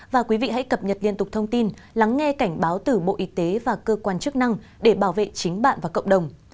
và quý vị hãy cập nhật liên tục thông tin lắng nghe cảnh báo từ bộ y tế và cơ quan chức năng để bảo vệ chính bạn và cộng đồng